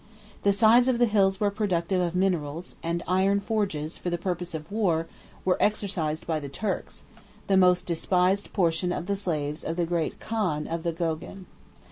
The sides of the hills were productive of minerals; and the iron forges, 24 for the purpose of war, were exercised by the Turks, the most despised portion of the slaves of the great khan of the Geougen.